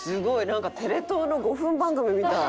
なんかテレ東の５分番組みたい」